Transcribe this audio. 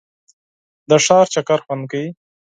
د ښار چکر خوند کوي.